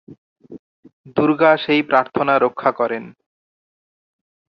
দুর্গা সেই প্রার্থনা রক্ষা করেন।